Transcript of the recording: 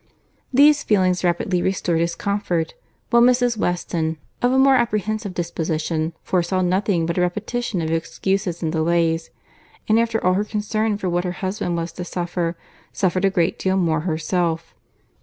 These feelings rapidly restored his comfort, while Mrs. Weston, of a more apprehensive disposition, foresaw nothing but a repetition of excuses and delays; and after all her concern for what her husband was to suffer, suffered a great deal more herself.